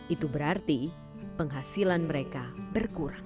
itu berarti penghasilan mereka berkurang